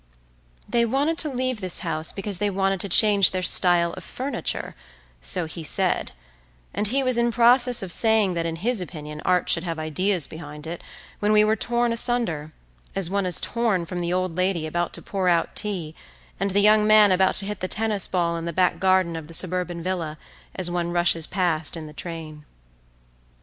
They wanted to leave this house because they wanted to change their style of furniture, so he said, and he was in process of saying that in his opinion art should have ideas behind it when we were torn asunder, as one is torn from the old lady about to pour out tea and the young man about to hit the tennis ball in the back garden of the suburban villa as one rushes past in the train.